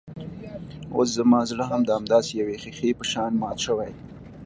اوس زما زړه هم د همداسې يوې ښيښې په شان مات شوی.